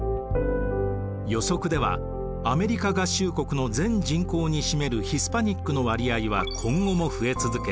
予測ではアメリカ合衆国の全人口に占めるヒスパニックの割合は今後も増え続け